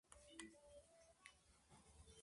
Lo sucedió su hijo Godino.